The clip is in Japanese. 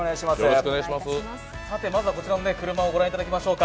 まずはこちらの車を御覧いただきましょうか。